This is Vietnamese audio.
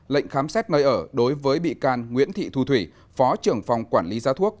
lệnh khám xét nơi ở đối với bị can nguyễn thị thu thủy phó trưởng phòng quản lý giá thuốc